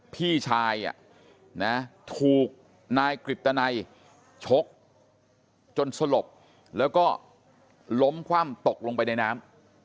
พี่ชายถูกนายกฤตนัยชกจนสลบแล้วก็ล้มคว่ำตกลงไปในน้ำ